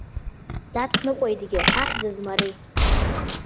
Дацныҟәеитгьы ахьӡызма ари!